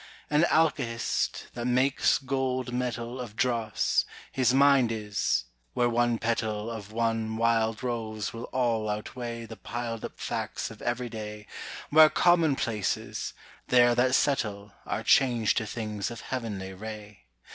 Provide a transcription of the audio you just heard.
An alkahest, that makes gold metal Of dross, his mind is where one petal Of one wild rose will all outweigh The piled up facts of everyday Where commonplaces, there that settle, Are changed to things of heavenly ray.